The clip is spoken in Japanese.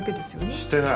してない！